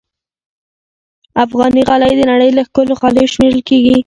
افغاني غالۍ د نړۍ له ښکلو غالیو شمېرل کېږي.